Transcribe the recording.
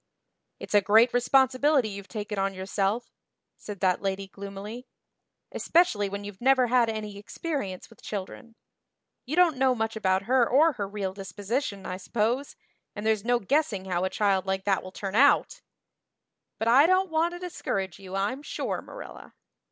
"It's a great responsibility you've taken on yourself," said that lady gloomily, "especially when you've never had any experience with children. You don't know much about her or her real disposition, I suppose, and there's no guessing how a child like that will turn out. But I don't want to discourage you I'm sure, Marilla."